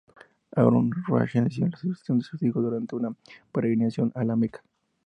Harún al-Rashid decidió la sucesión en sus hijos durante una peregrinación a La Meca.